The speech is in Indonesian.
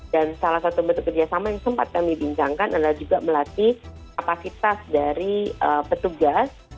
dan salah satu bentuk kerjasama yang sempat kami bincangkan adalah juga melatih kapasitas dari petugas